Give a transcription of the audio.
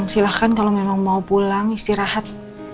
silahkan kalau memang mau pulang istirahat